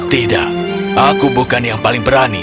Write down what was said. tidak aku bukan yang paling berani